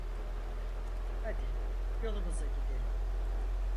Hadi yolumuza gidelim!